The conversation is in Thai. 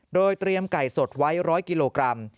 โดยเตรียมไก่สดไว้๑๐๐กิโลกรัม